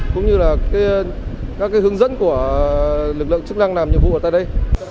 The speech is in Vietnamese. cũng như là các hướng dẫn của lực lượng chức năng làm nhiệm vụ ở tại đây